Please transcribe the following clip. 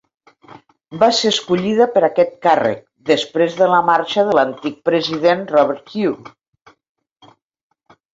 Va ser escollida per aquest càrrec després de la marxa de l'antic president Robert Hue.